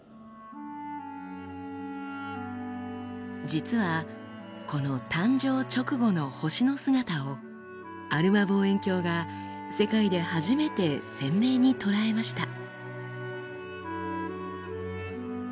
実はこの誕生直後の星の姿をアルマ望遠鏡が世界で初めて鮮明に捉えました。